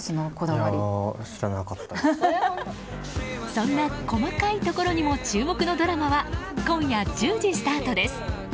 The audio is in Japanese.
そんな細かいところにも注目のドラマは今夜１０時スタートです。